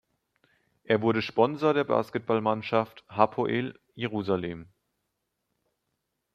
Er wurde Sponsor der Basketballmannschaft Hapoel Jerusalem.